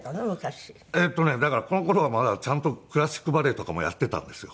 えっとねだからこの頃はまだちゃんとクラシックバレエとかもやっていたんですよ。